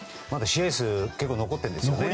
試合数は結構残っているんですよね。